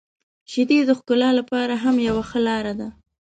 • شیدې د ښکلا لپاره هم یو ښه لاره ده.